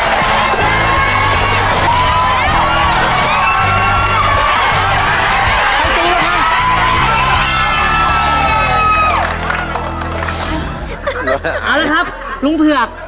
เอาละครับลุงเผือก